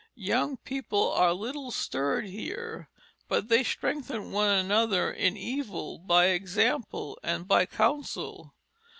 Young people are little stirred here; but they strengthen one another in evil by example and by counsel.